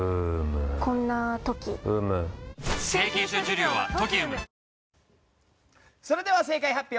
ニトリそれでは正解発表。